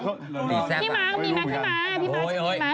พี่ม้าจะมีมะ